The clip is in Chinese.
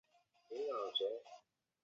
治淮阳城。